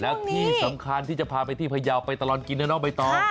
แล้วที่สำคัญที่จะพาไปที่พยาวไปตลอดกินนะน้องใบตอง